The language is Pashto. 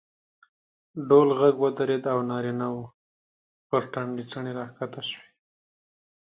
ډول غږ ودرېد او نارینه وو پر ټنډو څڼې راکښته شوې.